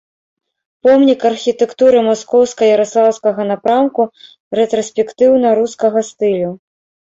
Помнік архітэктуры маскоўска-яраслаўскага напрамку рэтраспектыўна-рускага стылю.